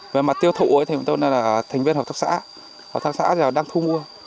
về mặt tiêu thụ thì mình là thành viên hộ trồng sạch hộ trồng sạch thì là đang thu mua